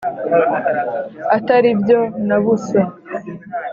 Atari byo na busa